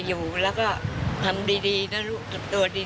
อยู่แล้วก็ทำดีนะลูกทำตัวดี